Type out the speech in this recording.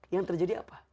yang terjadi apa